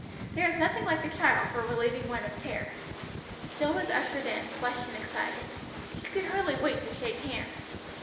There is nothing like a child for relieving one of care." Jill was ushered in, flushed and excited. She could hardly wait to shake hands.